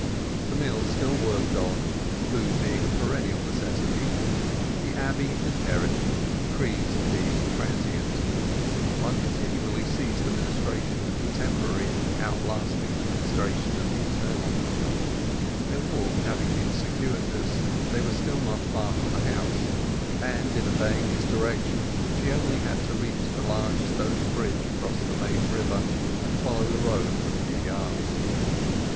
The mill still worked on, food being a perennial necessity; the abbey had perished, creeds being transient. One continually sees the ministration of the temporary outlasting the ministration of the eternal. Their walk having been circuitous, they were still not far from the house, and in obeying his direction she only had to reach the large stone bridge across the main river and follow the road for a few yards.